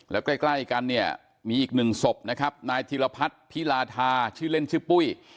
แล้วใกล้กันเนี่ยมีอีกหนึ่งศพนะครับนายธิรพัฒน์พิลาทาชื่อเล่นชื่อปุ้ย